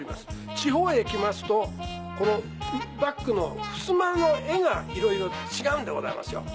地方へ来ますとこのバックのふすまの絵がいろいろ違うんでございますよ。